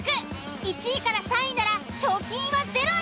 １位３位なら賞金はゼロに。